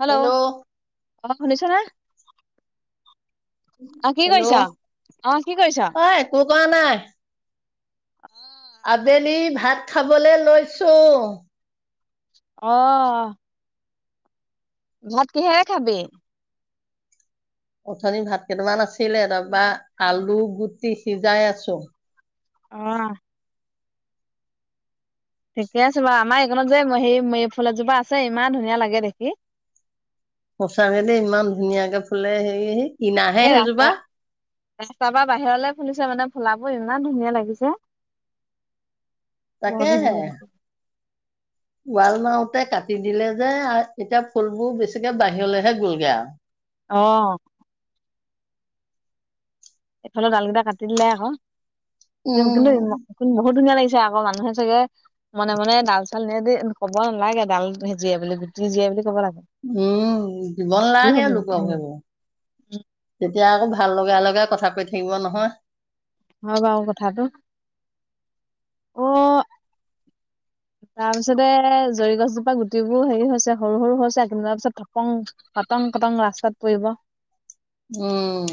Hello! অ' শুনিছানে? Hello! কি কৰিছ অ' একো কৰা নাই। আবেলি ভাত খাবলে লৈছো। অ'। ভাত কিহেৰে খাবি? উথনি ভাত কেইটামান আছিলে, তাৰপৰা আলু গুটি সিজাই আছোঁ। অ'। ঠিকে আছে বাৰু! আমাৰ এইকনত যে হে ফুল এজোপা আছে ইমান ধুনীয়া লাগে দেখি। সঁচাকে দেই ইমান ধুনীয়াকে ফুলে। হেৰি কিনাহে এই সেইজোপা ৰাস্তা ৰাস্তাপা বাহিৰলে ফুলিছে মানে ফুলা বোৰ ইমান ধুনীয়া লাগিছে। বহুত ধুনীয়া তাকেহে। লাগিছে ৱাল মাৰোতে কাটি দিলে যে এতিয়া ফুলবোৰ বেছিকে বাহিৰলৈহে গ'লগে আৰু। অ'। এফালে ডাল কেইটা কাটি দিলে আক। উম [unintelligible] কিন্তু বহুত ধুনীয়া লাগিছে আগৰ মানুহে চাগে মনে মনে ডাল চাল নিদি ক'ব নালাগে ডাল সে জীয়ে বুলি গুটি দি জীয়ে বুলি ক'ব লাগে। উম দিব কি নালাগে হব লোকক সেইবোৰ। তেতিয়া আকৌ ভাল লগা লগাই কথা কৈ থাকিব নহয়। হয় বাৰু কথাটো। অ' তাৰপিছতে জৰি গছজোপা গুটিবোৰ হেৰি হৈছে, সৰু সৰু হৈছে কেইদিন মানৰ পাছত থপং কতং কতং ৰাস্তাত পৰিব। উম।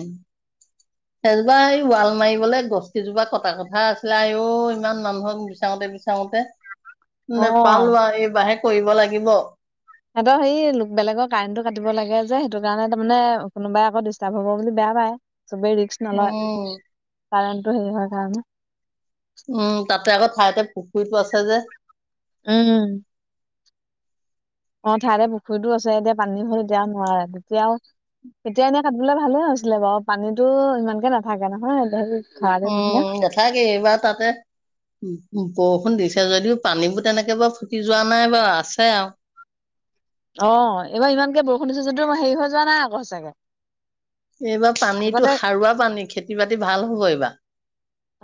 [inaudible] সেইজোপা এই ৱাল মাৰিবলে গছ কেইজোপা কটা কথা আছিলে আঐ ইমান মানুহক [unintelligible] চাওতে অ নেপালো আও এইবাৰাহে কৰিব লাগিব। সিহঁতৰ হেৰি লোক বেলেগৰ কাৰেণ্টটো কাটিব লাগে যে, সেইটো কাৰণে তাৰমানে কোনোবাই আকৌ ডিষ্টাৰ্ব হব বুলি বেয়া পায়। চবেই ৰিক্স নলয়, উম কাৰেণ্টটো হেৰি হোৱাৰ কাৰণে। উম, তাতে আকৌ ঠাইতে পুখুৰীটো আছে যে। উম। অ', ঠাইতে পুখুৰীতো আছে, এতিয়া পানী হ'ল এতিয়াও নোৱাৰে, তেতিয়া এতিয়া এনেই কাটিবলে ভালে হৈছিলে বাৰু পানীতো ইমানকে নাথাকে নহয় [unintelligible] মহীয়া উম নাথাকেই, এইবাৰ তাতে উম বৰষুণ দিছে যদিও পানীবোৰ তেনেকে বাৰু ফুটি যোৱা নাই বাৰু আছে আৰু। অ', এইবাৰ ইমানকে বৰষুণ দিছে যদিও, হেৰি হৈ যোৱা নাই আকৌ, সঁচাকে। এইবাৰ আগতে পানীতো সাৰুৱা পানী খেতি বাতি ভাল হ'ব এইবাৰ।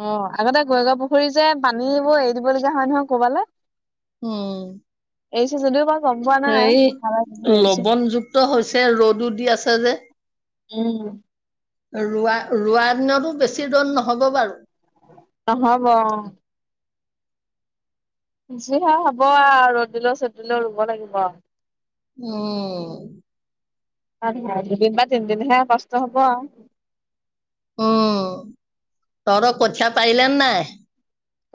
অ', আগতে গৈগা পুখুৰী যে পানীবোৰ এৰি দিবলগীয়া হয় নহয় ক'বালে। উম। এৰিছে যদিও এবাৰ গম পোৱা নাই, সিফালে এৰিছে। ত হৈছে ৰ'দো দি আছে যে। উম। ৰোৱা, ৰোৱা দিনতো বেছি ৰদ নহ'ব বাৰু। নহ'ব অ' যি হয় হ'ব আৰু ৰ'দিলও চদডিলেও ৰুব লাগিব আও। উম। [unintelligible] দুদিন বা তিনিদিন হে কষ্ট হ'ব আৰু। তহতৰ কঠীয়া পাৰিলেন নাই?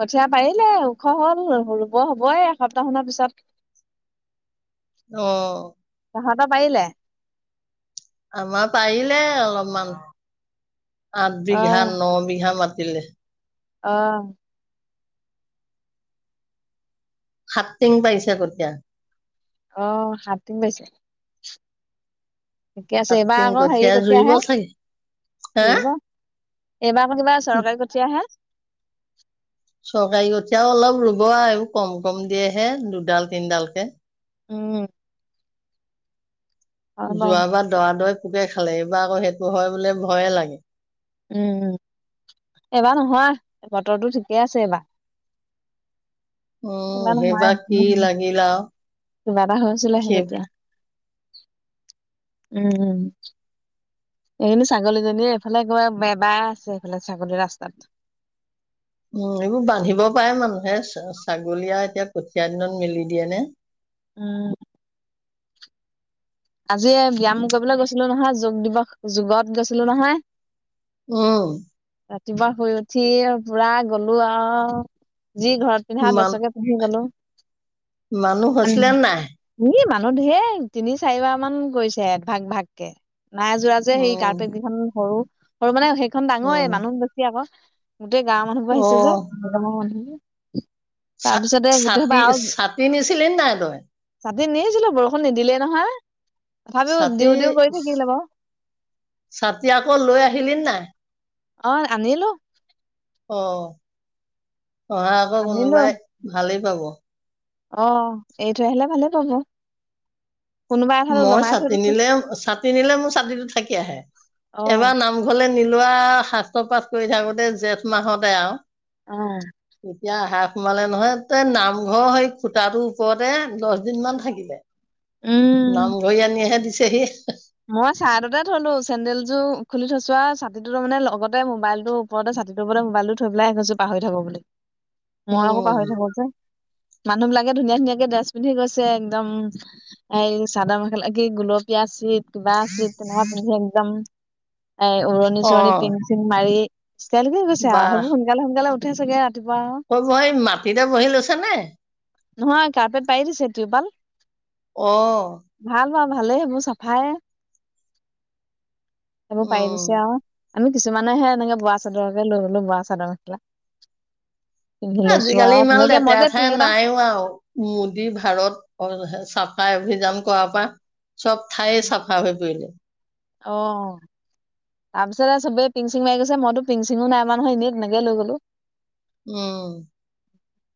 কঠীয়া পাৰিলে, ওখ হল, ৰুব-ৰুব হবই, এসপ্তাহ মান পিছত। [unintelligible] অ' তহৰত পাৰিলে? আমাৰ পাৰিলে অলপমান, আঠ অ বিঘা ন বিঘা মাটিলে। অ' সাতটিং পাৰিছে কঠীয়া। অ', সাতটিং পাৰিছে। আছে এইবাৰ সাতটিং আকৌ হেৰি কঠীয়া জুইব কঠীয়াহে চাগে, হা জুৰিব এইবাৰ আকৌ কিবা চৰকাৰী কঠিয়া হে। চৰকাৰী কঠয়াও অলপ ৰুব আৰু এই কম কম দিয়েহে, দুডাল তিনডাল কে। উম। হয় বাৰু যোৱাবাৰ দৰা দৰে পোকে খালে এইবাৰ আকৌ সেইটো হয় বোলে, ভয়ে লাগে। উম, এইবাৰ নহয়, বতৰটো ঠিকে আছে এইবাৰ। উম, এইবা নহয়, সেইবাৰ কি [unintelligible] লাগিল আৰু কিবা এটা হৈছিলেহে সেই তেতিয়া। উম। এইখিনি ছাগলীজনীয়ে এইফালে ক'বাত বেবাই আছে এইফালে, ছাগলী ৰাস্তাত। উম, এইবোৰ বান্ধিব পাৰে মানুহে, ছা-ছাগলী আৰু এতিয়া কঠীয়া দিনত মেলি দিয়ে নে? উম। আজি এই ব্যায়াম কৰিবলৈ গৈছিলো নহয়, যোগ দিৱস যোগত গৈছিলো নহয়। উম। ৰাতিপুৱা শুই উঠি পুৰা গ'লো আৰু যি ঘৰত পিন্ধা মান দেচকে পিন্ধি গলোঁ। মানুহ হৈছিলে নাই? ই মানুহ ঢেৰ তিনি চাৰিবাৰ মান কৰিছে ভাগ ভাগকে। নাই যোৰা যে সেই উম, কাৰপেটকেইখন সৰু, সৰু মানে সেইখন ডাঙৰে উম, মানুহ ভৰ্তি আকৌ। গোটেই গাঁৱৰ মানুহবোৰ আহিছে যে, অ'। [unintelligible] চা তাৰপিছতে গোটেইসোপা চাটি, চাটি নিছিলি নাই তই? চাটি নিছিলোঁ, বৰষুণ নিদিলেই নহয়। তথাপিও চাটি, দিওঁ দিওঁ কৰি থাকিলে বাৰু চাটি আকৌ লৈ আহিলি নাই? অ', আনিলোঁ। অ', পঢ়া আকৌ আনিলো কোনোবাই ভালেই পাব। অ', এৰি থৈ আহিলে ভালে পাব। কোনোবা এঠাইত মই ওলমাই থৈ চাটি দিছো নিলেও, চাটি নিলে মোৰ চাটিটো থাকি আহে, অ এবাৰ নাম ঘলে নিলোৱা শাস্ত্ৰ পাঠ কৰি থাকোতে জেঠ মাহতে আৰু অ'। এতিয়া আহা সোমালে নহয় ত নামঘৰ সেই খুটাটোৰ ওপৰতে দহ দিন মান থাকিলে। উম। নামঘৰি আনিহে দিছেহি। মই ছাইডতে থলো চেন্দেল যোৰ খুলি থৈছো আৰু ছাতিটো তাৰ মানে লগতে মোবাইলটো। ওপৰতে ছাতিটোৰ ওপৰতে মোবাইলটো থৈ পেলাইহে গৈছোঁ পাহৰি থাকোঁ বুলি, মই আকৌ উম, পাহৰি থাকো যে। মানুহবিলাকে ধুনীয়া ধুনীয়াকে ড্ৰেছ পিন্ধি গৈছে একদম। এই চাদৰ মেখেলা কি গুলপীয়া চিত। কিবা আছিল তেনেকুৱা পিন্ধি একদম এ উৰণি চৰণি অ', পিং চিং মাৰি। ষ্টাইল কৰি গৈছে আৰু বাহ। সেইবোৰ সোনকালে সোনকালে উঠে চাগে ৰাপুৱা আৰু কবই মাটিতে বহি লৈছ নে? নহয় কাৰ্পেট পাৰি দিছে টিৰ্পাল। অ ভাল বাৰু ভালেই সেইবোৰ চাফাই, সেইবোৰ পাৰি উম দিছে আৰু। আমি কিছুমানেহে এনেকে বোৱা চাদৰকে লৈ গলোঁ বোৱা চাদৰ মেখেলা। পিন্ধি লৈছো আজিকালি আৰু ইমান তেনেকে মই লেতেৰা যে ঠাই পিং এটা নাইও আৰু। মোদী ভাৰত চাফাই অভিযান কৰাৰ পৰা। চব ঠায়ে চাফা হৈ পৰিলে। অ'। তাৰপিছত এ চবেই পিং চিং মাৰি গৈছে, মই টো পিং চিং নাই মৰা নহয় এনে তেনেকে লৈ গলোঁ। উম।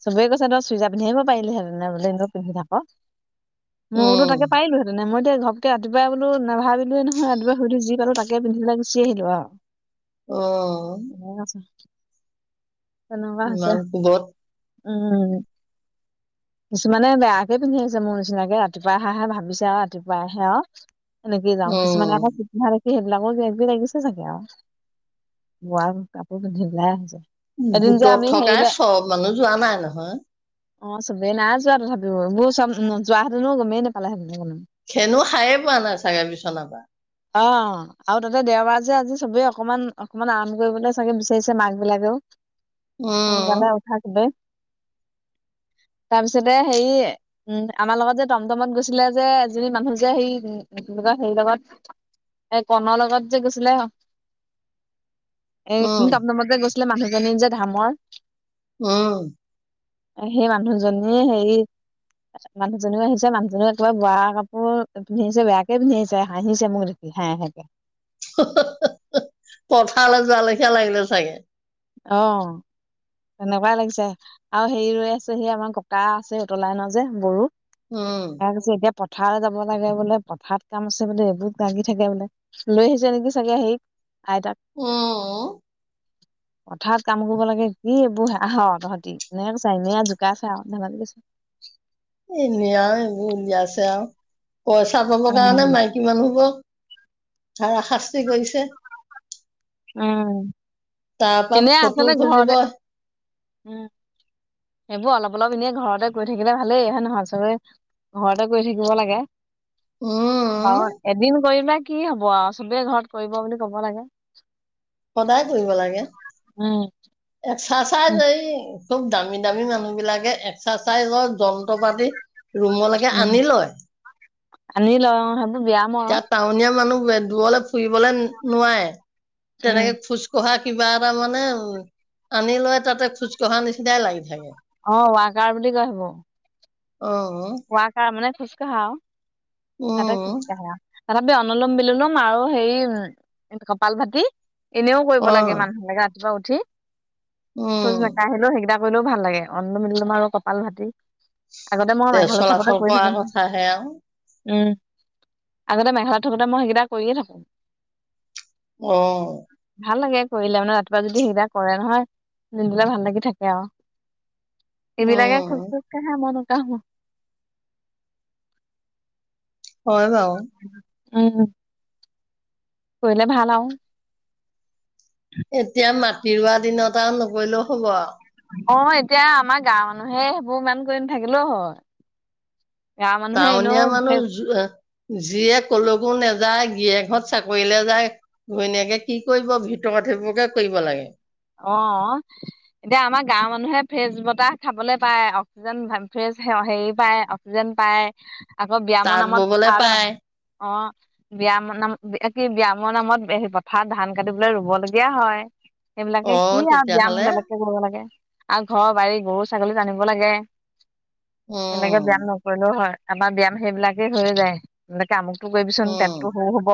চবেই কৈছে তই চুইজাৰ পিন্ধিব পাৰিলেহেঁতেনে বোলে এনেও পিন্ধি থাক, মই বোলো উম তাকে পাৰিলোঁ হেতেন। মই এতিয়া ঘপকে ৰাতিপুৱা বোলো নাভাবিলোয়েই নহয় ৰাতিপুৱা শুই উঠি যি পালোঁ তাকে পিন্ধি লৈ গুচি আহিলো আৰু। [inaudible] অ'। [unintelligible] তেনেকুৱা হৈছে, ইমান কোবত উম। কিছুমানে বেয়াকে পিন্ধি আহিছে মোৰ নিচিনাকে, ৰাতিপুৱাই আহাহে ভাবিছে আৰু ৰাতিপুৱাই আহে আৰু। এনেকে যাওঁ কিছুমানে উম আকৌ ভাল কে সেইবিলাকো যোগ্য লাগিছে চাগে আৰু বোৱাৰ কাপোৰ পিন্ধি ওলাই আহিছে। এদিন যে গোটত আমি থকাই হেৰিলে চব মানুহ যোৱা নাই নহয়। অ', চবে নাই যোৱা তথাপিও ইবোৰ চব নোযোৱা হেতেনো গমেই নাপালে হেতেনো কোনো। খেনো সৰে পোৱা নাই চাগে বিছনাৰ পৰা। অ'। আৰু তাতে দেওবাৰ যে আজি চবেই অকমান অকমান আৰাম কৰিবলৈ চাগে বিচাৰিছে মাক বিলাকেও। উম সোনকালে উঠা চবে, তাৰপিছতে হেৰি উম, আমাৰ লগত যে টমটমত গৈছিলে যে, এজনী মানুহ যে, হেই হেৰি লগত এ, কণত লগত যে গৈছিলে। এই উম টমটমত যে, গৈছিলে মানুহজনী যে ধামৰ। উম, সেই মানুহজনীয়ে হেৰি মানুহজননেও আহিছে, মানুহজননেও একবা বোৱা কাপোৰ, পিন্ধিছে বেয়াকে পিন্ধিছে হাঁহিছে, মোক দেখ হে, হে, কে। [inaudible] পথাৰলৈ, যোৱানিচিনা লাগিলে চাগে। অ, তেনেকুৱাই লাগিছে আৰু হেৰি ৰৈ আছে সেই আমাৰ ককা আছে, সেইটোৰ লাইনত যে বড়ো। উম, তাৰ পাছত, এতিয়া পথাৰলৈ যাব লাগে বোলে, পথাৰত কাম আছে বোলে, এইবুত লাগি থাকে বোলে। লৈ আহিছে নেকি, চাগে হেৰিক আইতাক। উম, পথাৰত কাম কৰিব লাগে, কি এইবোৰ আহ, তহঁতি এনে কৈছা এনে, জোকাই আছে আৰু ধেমালি কৰিছে। এনে আৰু এইবোৰ উলিয়াইছে আৰু পইচা পাবৰ কাৰণে উম মাইক কিমান হ'ব ধাৰা, শাস্তি কৰিছে। উম, তাৰ পৰা এনে ফটো আচলতে খুজিব ঘৰতে উম, সেইবোৰ অলপ, অলপ এনেই ঘৰতে কৰি থাকিলে ভালেই হয় নহয়, চবে ঘৰতে কৰি থাকিব লাগে। উম এদিন কৰিলে কি হ'ব আৰু চবে ঘৰত কৰিব বুলি কব লাগে। সদায় কৰিব লাগে। উম, এক্সাৰচাইজ উম এই খুব দামী-দামী মানুহ বিলাকে, এক্সাৰচাইজৰ যন্ত্ৰ পাতি ৰুমলৈকে উম আনি লয়। আনি লয়, অ, সেইবোৰ আৰু এতিয়া টাউনীয়া মানুহ দূৰলৈ ফুৰিবলে নোৱাৰে, তেনেকে উম খোজ় খোজ কঢ়া কিবা এটা মানে উ, আনি লৈ তাতে খোজকঢ়া নিচিনাই লাগি থাকে। অ, ৱাকাৰ বুলি কয় সেইবোৰ। অ, অ, ৱাকাৰ মানে খোজ কঢ়া আৰু তাতে খোজ উম কাঢ়ে আৰু। তথাপি অনলোম, বিলোলোম আৰু হেৰি কপাল ভতি এনেও কৰিব অ লাগে মানুহবিলাকে ৰাতিপুৱা উঠি, খোজ উম নেকাঢ়িলেও সেইকেইটা কৰিলেও ভাল লাগে, [inaudible] আৰু কপাল ভাতি, আগতে মই মই তেজ থাকোতে চলাচল কৰি কৰা থাকো, নহয়। কথাহে আৰু উম, আগতে মা, ঘৰত থাকোতে মই সেইকেইটা কৰিয়ে থাকো। উম, ভাল লাগে কৰিলে মানে ৰাতিপুৱা যদি সেইকেইটা কৰে নহয়, দিনটোলে ভাল লাগি থাকে আৰু। এইবিলাকে উম খোজ-তোজ কাঢ়ে, মই নাকাঢ়ো। হয় বাৰু। উম, কৰিলে ভাল আৰু। এতিয়া মাটি ৰুৱা দিনত। [inaudible] নকৰিলেও হ'ব আৰু। অ, এতিয়া আমাৰ গাঁৱৰ মানুহে সেইবোৰ ইমান কৰি নাথাকিলেও হয়। গাঁৱৰ মানুহে এনেও টাউনীয়া মানুহ যো যিয়ে ক'লৈকো নাযায়, গিৰিয়েক হ'ত চাকৰিলে যায়। ঘৈনীয়েকে কি কৰিব ভিতৰত সেইবোৰকে কৰিব লাগে। অ'। এতিয়া আমাৰ গাঁৱৰ মানুহে ফ্ৰেচ বতাহ খাবলৈ পায়, অক্সিজেন [unintelligible] হেৰি পায়, অক্সিজেন পায়। আকৌ ব্যায়মৰ তাঁত নামত ববলে পথাৰলে পায় মাতিছে, অ'। ব্যায়ামৰ নাম, কি ব্যায়ামৰ নামত পথাৰত ধান কাটিবলৈ ৰুব লগীয়া হয়। এইবিলাকে অ কি আৰু ব্যায়াম তেতিয়াহ'লে বেলেগকে কৰিব লাগে। আৰু ঘৰ-বাৰী, গৰু, ছাগলী টানিব লাগে, তেনেকে বেয়া উম। ন। কৰিলেও হয়, আমাৰ ব্যায়াম সেইবিলাকেই হৈয়ে যায়, এনেকে আমুকতটো কৰিবিচোন পেটটো উম সৰু হ'ব।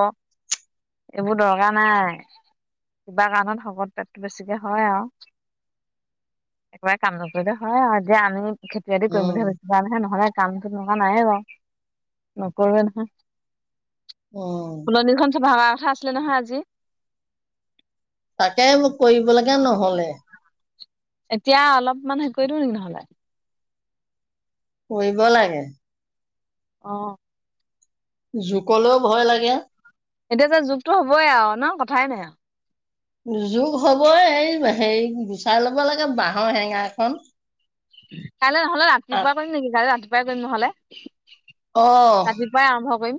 এইবোৰ দৰকাৰ নাই, কিবা কাৰণত শক তাতো বেছিকে হয় আৰু একেবাৰে কাম নকৰিলে হয় আৰু এতিয়া আমি খেতি-বাতি কৰিম উম বুলি ভাবিছোঁ। যামহে নহ'লে কামটো তেনেকুৱা নাইয়ে বাৰু, নকৰোৱেই নহয়। অ'। ফুলনিখন চাফা কৰা কথা আছিলে নহয় আজি। তাকে মোৰ কৰিবলেকে নহ'লে। এতিয়া অলপ মান হেৰি কৰি দিওঁ নেকি নহ'লে। কৰিব লাগে। অ'। জোকলেও ভয় লাগে এতিয়া যে জোকটো হ'বই আৰু ন কথাই নাই আৰু। জোক হ'বই, এই হেৰি গুচাই ল'ব লাগে বাঁহৰ হেঙা খন। কাইলৈ নহ'লে ৰাতিপুৱা কৰিম নেকি কাইলৈ ৰাতিপুৱাই কৰিম নহ'লে। অ'। পাই আৰম্ভ কৰিম,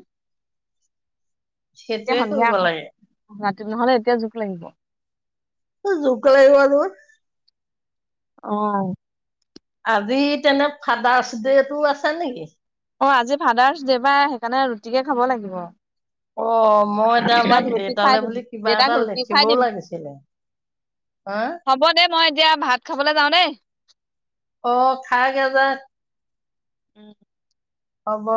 এতিয়া সেইটোৱে সন্ধিয়া কৰিব আগ লাগে। ৰাতি নহ'লে এতিয়া জোক লাগিব। অ' জোক লাগিব নহয় অ'। আজি তেনে ফাদাৰ্চ দে টো আছে নেকি? অ' আজি ফাদাৰ্চ দে পায়, সেইকাৰণে ৰুটিকে খাব লাগিব। অ' মই এতিয়া দেউতাক আমাৰ ৰুটি খুৱাই দেউতালৈ দিম বুলি কিবা দেউতাক এটা ৰুটি খুৱাই লিখিবও দিম লাগিছিলে। হা? হ'ব দে মই এতিয়া ভাত খাবলৈ যাওঁ দেই। অ' খাগে যা। উম। হ'ব।